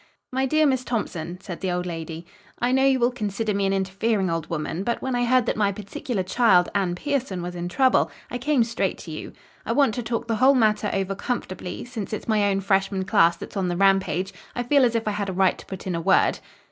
"My dear Miss Thompson," said the old lady, "I know you will consider me an interfering old woman, but when I heard that my particular child, Anne Pierson, was in trouble, I came straight to you. I want to talk the whole matter over comfortably; since it's my own freshman class that's on the rampage, I feel as if I had a right to put in a word."